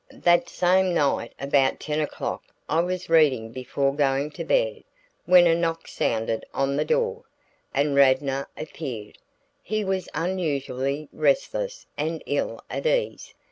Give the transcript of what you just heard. That same night about ten o'clock I was reading before going to bed, when a knock sounded on the door, and Radnor appeared. He was unusually restless and ill at ease.